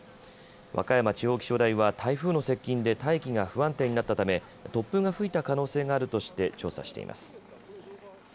和歌山地方気象台は台風の接近で大気が不安定になったため突風が吹いた可能性があるとして調査しています。